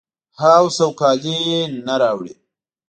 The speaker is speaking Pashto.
او سوکالي نه راوړي.